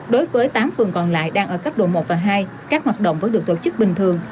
đối với tám phường còn lại đang ở cấp độ một và hai các hoạt động vẫn được tổ chức bình thường